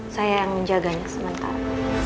saya yang menjaganya sementara